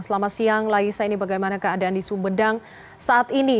selamat siang laisa ini bagaimana keadaan di sumedang saat ini